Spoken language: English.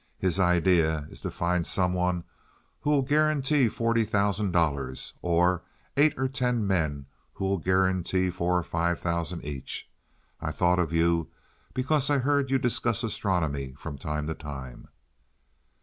His idea is to find some one who will guarantee forty thousand dollars, or eight or ten men who will guarantee four or five thousand each. I thought of you, because I've heard you discuss astronomy from time to time."